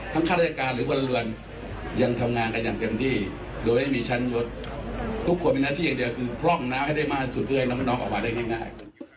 น้องออกมาได้ง่าย